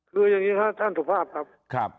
คืออย่างนี้ครับท่านสุภาพครับ